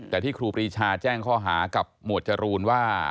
แต่ที่ครูปรีชาแจ้งข้อหากับหมวดจรูนว่า